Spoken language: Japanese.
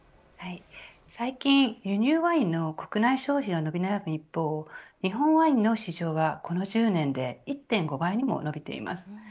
最近、輸入ワインの国内消費が伸び悩む一方日本ワインの市場はこの１０年で１．５倍にも伸びています。